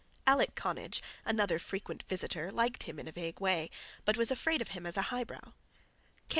Alec Connage, another frequent visitor, liked him in a vague way, but was afraid of him as a highbrow.